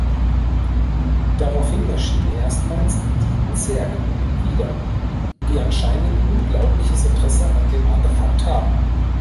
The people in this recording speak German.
Daraufhin erscheinen erstmals die Zerg wieder, die anscheinend unglaubliches Interesse an dem Artefakt haben.